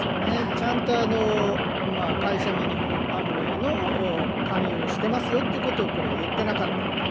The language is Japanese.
ちゃんと会社名、日本アムウェイの勧誘してますよということを、これ言ってなかったと。